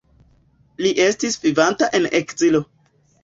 Li estis vivinta en ekzilo.